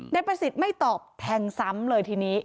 นายประสิทธิ์ไม่ตอบแทงซ้ำเลยทีนี้